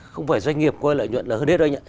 không phải doanh nghiệp coi lợi nhuận là hơn hết anh ạ